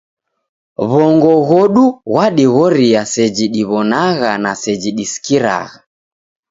W'ongo ghodu ghwadighoria seji diw'onagha na seji disikiragha.